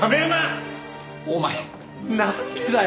お前なんでだよ！